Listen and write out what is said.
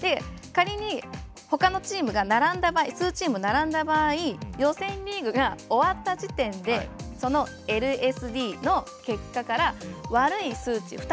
仮にほかのチームが並んだ場合数チーム並んだ場合予選リーグが終わった時点でそのＬＳＤの結果から悪い数値